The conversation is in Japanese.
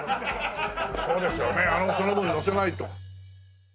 そうですよねその分のせないと。